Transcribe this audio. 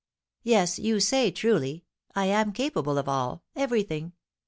"Yes, you say truly; I am capable of all everything!